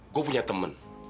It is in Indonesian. gue punya temen